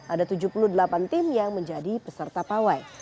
ada tujuh puluh delapan tim yang menjadi peserta pawai